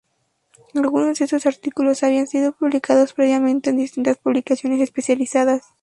Algunos de estos artículos habían sido publicados previamente en distintas publicaciones especializadas.